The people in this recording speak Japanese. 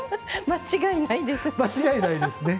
間違いないですね。